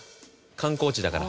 観光地だから。